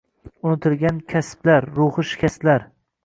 unutilgan kaslar, ruhi shikastlar.